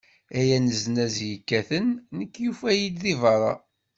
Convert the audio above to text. Ay aneznaz yekkaten, nekk yufa-yi-d di berra.